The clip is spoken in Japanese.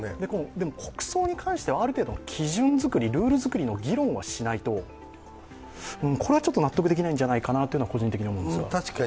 国葬に関してはある程度の基準づくり、ルールづくりの議論はしないと、これは納得できないんじゃないかと個人的に思うんですが。